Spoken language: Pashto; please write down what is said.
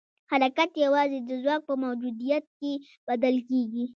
حرکت یوازې د ځواک په موجودیت کې بدل کېږي.